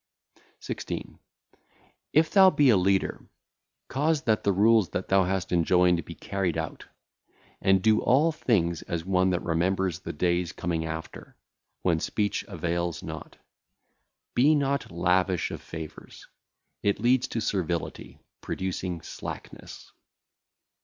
' 16. If thou be a leader, cause that the rules that thou hast enjoined be carried out; and do all things as one that remembereth the days coming after, when speech availeth not. Be not lavish of favours; it leadeth to servility (?), producing slackness.